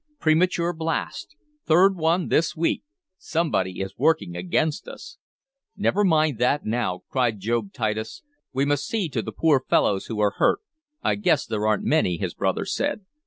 "Premature blast. Third one this week. Somebody is working against us!" "Never mind that now," cried Job Titus. "We must see to the poor fellows who are hurt." "I guess there aren't many," his brother said.